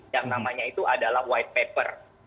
yang namanya itu adalah white paper